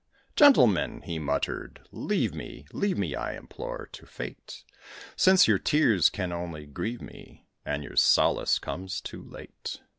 "Gentlemen!" he muttered, "leave me, Leave me, I implore, to fate: Since your tears can only grieve me, And your solace comes too late."